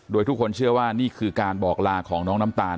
โดยทุกคนเชื่อว่านี่คือการบอกลาของน้องน้ำตาล